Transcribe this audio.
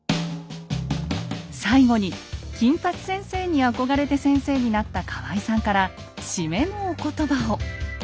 最後に金八先生に憧れて先生になった河合さんから締めのお言葉を。